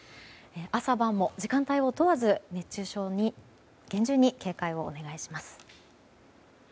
朝晩も時間帯を問わず、熱中症に厳重に警戒をお願いします。